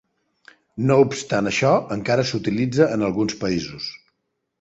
No obstant això encara s'utilitza en alguns països.